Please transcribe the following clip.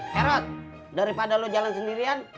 herot daripada lo jalan sendirian